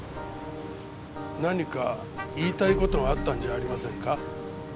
何か言いたい事があったんじゃありませんか？